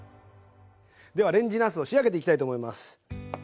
ではレンジなすを仕上げていきたいと思います。